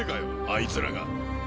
あいつらが。